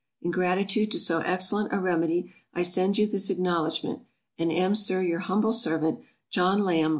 In gratitude to so excellent a remedy, I send you this acknowledgement, and am, SIR, your humble servant, JOHN LAMB.